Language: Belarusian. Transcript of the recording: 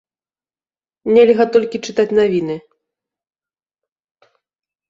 Нельга толькі чытаць навіны.